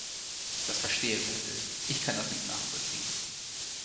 Das verstehe, wer will. Ich kann das nicht nachvollziehen.